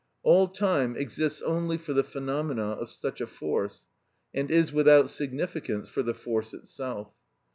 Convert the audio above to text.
All time exists only for the phenomena of such a force, and is without significance for the force itself.